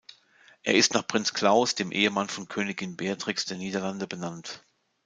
Er ist nach Prinz Claus, dem Ehemann von Königin Beatrix der Niederlande, benannt.